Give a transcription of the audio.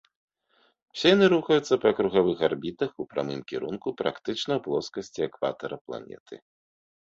Усе яны рухаюцца па кругавых арбітах у прамым кірунку практычна ў плоскасці экватара планеты.